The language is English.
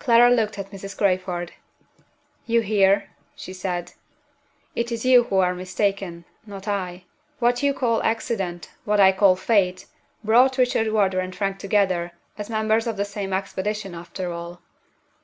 Clara looked at Mrs. Crayford. "You hear?" she said. "It is you who are mistaken, not I. What you call 'Accident,' what I call 'Fate,' brought Richard Wardour and Frank together as members of the same Expedition, after all."